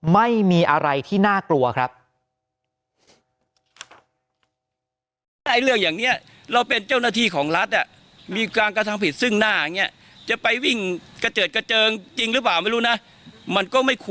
ไม่มีอะไรที่น่ากลัวครับ